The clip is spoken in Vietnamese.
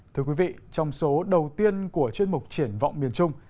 thưa quý vị trong số đầu tiên của chuyên mục triển vọng miền trung